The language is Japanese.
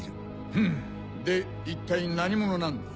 ふむで一体何者なんだ？